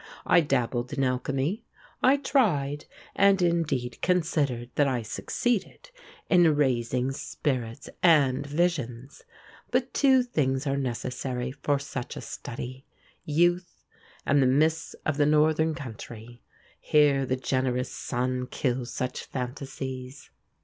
I dabbled in alchemy; I tried and indeed considered that I succeeded in raising spirits and visions; but two things are necessary for such a study: youth, and the mists of the Northern country. Here the generous sun kills such phantasies.